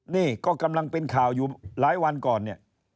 นี่ก็กำลังเป็นข่าวอยู่หลายวันก่อนเนี่ย